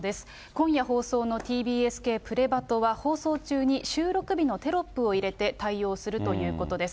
今夜放送のＴＢＳ系プレバト！は放送中に収録日のテロップを入れて対応するということです。